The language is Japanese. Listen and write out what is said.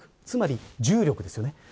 つまり重力ですよね